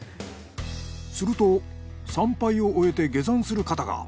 すると参拝を終えて下山する方が。